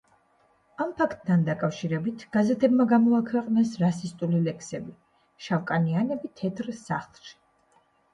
ამ ფაქტთან დაკავშირებით გაზეთებმა გამოაქვეყნეს რასისტული ლექსები: „შავკანიანები თეთრ სახლში“.